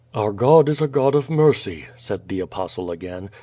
Our God is a God of mercy," said the Apostle again.